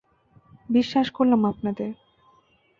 বিশ্বাস করলাম আপনাদের।